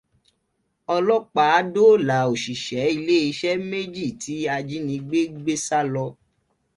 Ọlọ́pàá dóòlà òṣìṣẹ́ iléèṣẹ́ méjì tí ajínigbé gbé sálọ.